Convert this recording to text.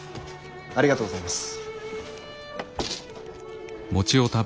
ありがとうございます。